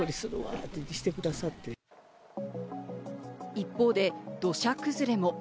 一方で、土砂崩れも。